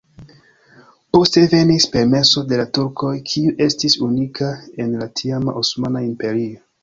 Poste venis permeso de la turkoj, kiu estis unika en la tiama Osmana Imperio.